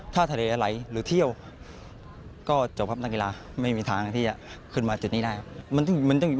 ถ้าทะเลไหลหรือเที่ยวก็จบครับนักกีฬาไม่มีทางที่จะขึ้นมาจุดนี้ได้ครับ